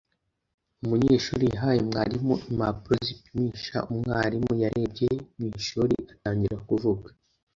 umunyeshuri yahaye mwarimu impapuro zipimisha umwarimu yarebye mu ishuri atangira kuvuga